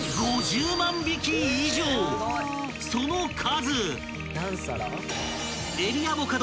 ［その数］